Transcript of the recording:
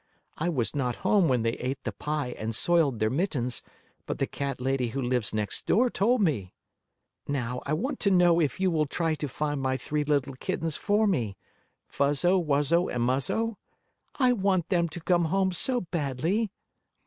I was not home when they ate the pie and soiled their mittens, but the cat lady who lives next door told me. "Now I want to know if you will try to find my three little kittens for me; Fuzzo, Wuzzo and Muzzo? I want them to come home so badly!"